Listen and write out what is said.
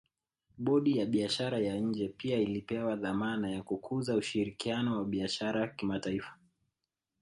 Bodi ya Biashara ya nje pia ilipewa dhamana ya kukuza ushirikiano wa biashara kimataifa